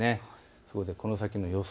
それではこの先の予想